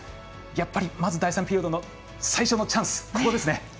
やっパリ、まず第３ピリオドの最初のチャンス、ここですね。